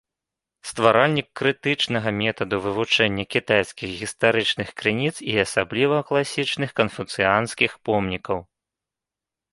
Стваральнік крытычнага метаду вывучэння кітайскіх гістарычных крыніц і асабліва класічных канфуцыянскіх помнікаў.